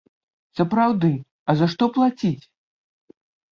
Сапраўды, а за што плаціць?